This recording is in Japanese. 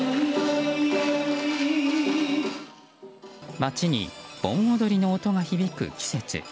街に盆踊りの音が響く季節。